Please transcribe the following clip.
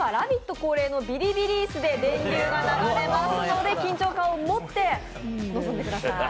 恒例のビリビリ椅子で電流が流れますので、緊張感を持って臨んでください。